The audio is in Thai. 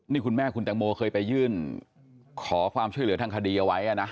นี่คุณแม่คุณแตงโมเคยไปยื่นขอความช่วยเหลือทางคดีเอาไว้นะ